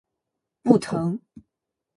不疼